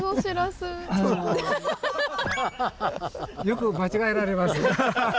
よく間違えられます。